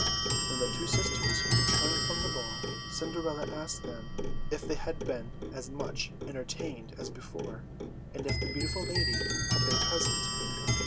When the two sisters returned from the ball, Cinderella asked them if they had been as much entertained as before, and if the beautiful lady had been present.